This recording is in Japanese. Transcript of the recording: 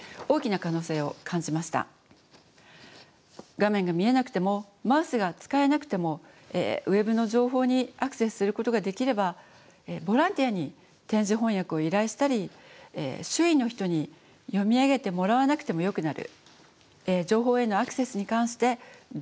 画面が見えなくてもマウスが使えなくてもＷｅｂの情報にアクセスすることができればボランティアに点字翻訳を依頼したり周囲の人に読み上げてもらわなくてもよくなる。